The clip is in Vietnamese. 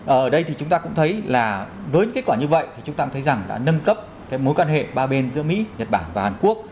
ở đây thì chúng ta cũng thấy là với kết quả như vậy thì chúng ta cũng thấy rằng là nâng cấp mối quan hệ ba bên giữa mỹ nhật bản và hàn quốc